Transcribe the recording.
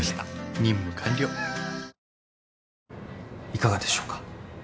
いかがでしょうか？